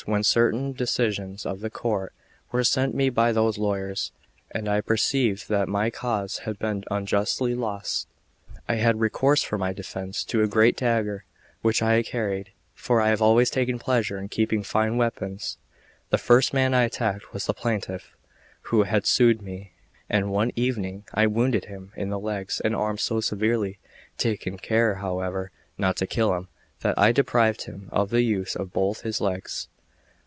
When certain decisions of the court were sent me by those lawyers, and I perceived that my cause had been unjustly lost, I had recourse for my defence to a great dagger which I carried; for I have always taken pleasure in keeping fine weapons. The first man I attacked was the plaintiff who had sued me; and one evening I wounded him in the legs and arms so severely, taking care, however, not to kill him, that I deprived him of the use of both his legs.